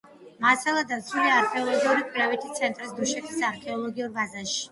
მასალა დაცულია არქეოლოგიური კვლევითი ცენტრის დუშეთის არქეოლოგიურ ბაზაში.